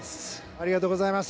ありがとうございます。